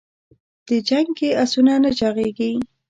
د جنګ کې اسونه نه چاغېږي.